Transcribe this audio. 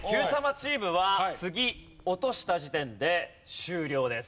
チームは次落とした時点で終了です。